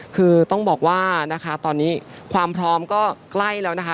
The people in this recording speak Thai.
คือต้องบอกว่านะคะตอนนี้ความพร้อมก็ใกล้แล้วนะคะ